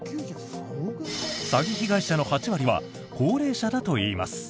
詐欺被害者の８割は高齢者だといいます。